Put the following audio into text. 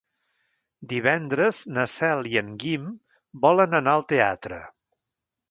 Divendres na Cel i en Guim volen anar al teatre.